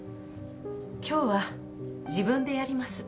今日は自分でやります。